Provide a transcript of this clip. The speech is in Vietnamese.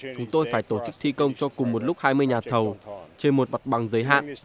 chúng tôi phải tổ chức thi công cho cùng một lúc hai mươi nhà thầu trên một mặt bằng giới hạn